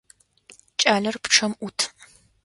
Кӏалэр пчъэм ӏут.